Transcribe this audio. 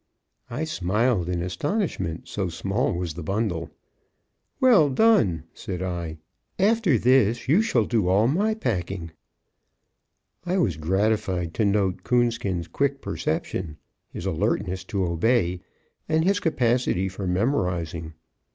I smiled in astonishment, so small was the bundle. "Well done," said I, "after this you shall do all my packing." I was gratified to note Coonskin's quick perception, his alertness to obey, and his capacity for memorizing.